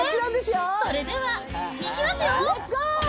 それではいきますよ。